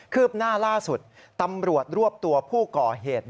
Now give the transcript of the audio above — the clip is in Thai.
ืบหน้าล่าสุดตำรวจรวบตัวผู้ก่อเหตุ